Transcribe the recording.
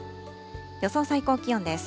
予想最高気温です。